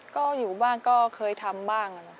ก็อยู่บ้างก็เคยทำบ้าง